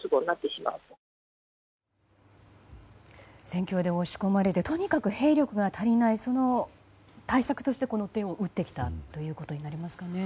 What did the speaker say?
戦況で押し込まれてとにかく兵力が足りないその対策としてこの手を打ってきたということになりますかね。